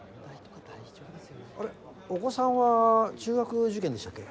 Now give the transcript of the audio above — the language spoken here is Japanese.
あれお子さんは中学受験でしたっけ？